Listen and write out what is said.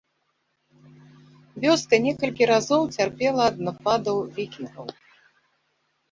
Вёска некалькі разоў цярпела ад нападаў вікінгаў.